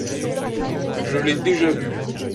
Je l'ai déjà vu.